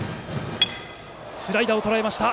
スライダーをとらえた。